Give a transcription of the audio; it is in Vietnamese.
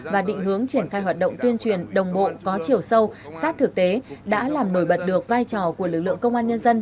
và định hướng triển khai hoạt động tuyên truyền đồng bộ có chiều sâu sát thực tế đã làm nổi bật được vai trò của lực lượng công an nhân dân